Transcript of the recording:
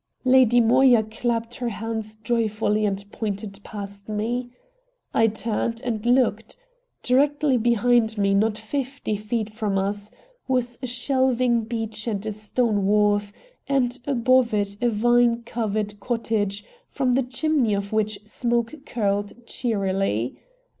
Lady Moya clapped her hands joyfully and pointed past me. I turned and looked. Directly behind me, not fifty feet from us, was a shelving beach and a stone wharf, and above it a vine covered cottage, from the chimney of which smoke curled cheerily.